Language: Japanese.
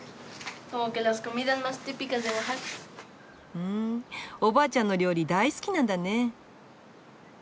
ふんおばあちゃんの料理大好きなんだね。